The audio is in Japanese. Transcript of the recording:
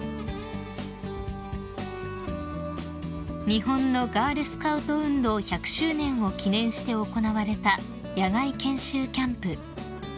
［日本のガールスカウト運動１００周年を記念して行われた野外研修キャンプ］